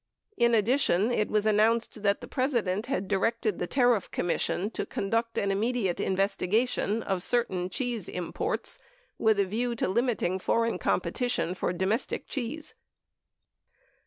In addition, it was announced that the President had directed the Tariff Commission to conduct an "immediate investigation" of certain cheese imports with a view to limiting foreign competition for domestic cheese.